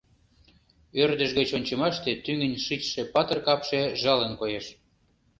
Ӧрдыж гыч ончымаште тӱҥын шичше патыр капше жалын коеш.